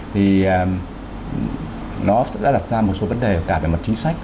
thì nó đã đặt ra một số vấn đề cả về mặt chính sách